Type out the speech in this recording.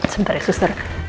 sebentar ya suster